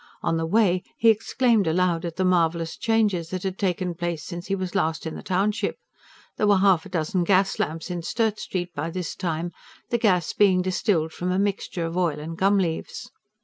On the way, he exclaimed aloud at the marvellous changes that had taken place since he was last in the township. There were half a dozen gas lamps in Sturt Street by this time, the gas being distilled from a mixture of oil and gum leaves.